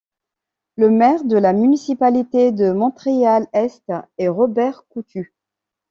Le maire de la municipalité de Montréal-Est est Robert Coutu.